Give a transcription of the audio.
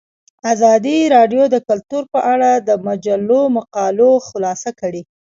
ازادي راډیو د کلتور په اړه د مجلو مقالو خلاصه کړې.